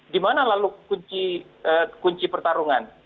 dimana lalu kunci pertarungan